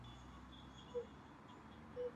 刘麟是健力宝青年队的成员。